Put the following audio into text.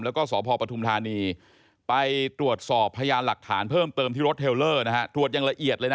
แล้วก็สพปทุมธานีไปตรวจสอบพยานหลักฐานเพิ่มเติมที่รถเทลเลอร์